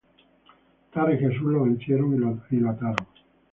Tara y Jesús lo vencieron y lo ataron.